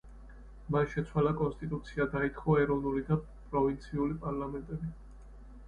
მან შეცვალა კონსტიტუცია, დაითხოვა ეროვნული და პროვინციული პარლამენტები.